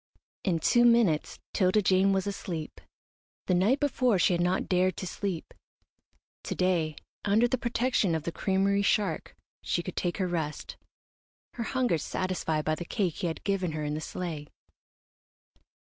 In two minutes 'Tilda Jane was asleep. The night before she had not dared to sleep. To day, under the protection of the creamery shark, she could take her rest, her hunger satisfied by the cake he had given her in the sleigh.